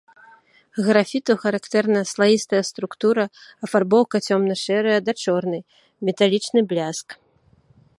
Графіту характэрна слаістая структура, афарбоўка цёмна-шэрая да чорнай, металічны бляск.